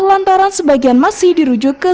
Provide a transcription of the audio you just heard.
lantaran sebagian masih dirujuk ke